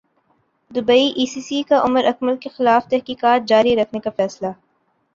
Dubai ئی سی سی کا عمراکمل کیخلاف تحقیقات جاری رکھنے کا فیصلہ